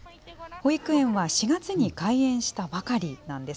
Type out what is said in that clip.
保育園は４月に開園したばかりなんです。